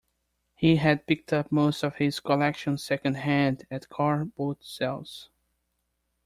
He had picked up most of his collection second-hand, at car boot sales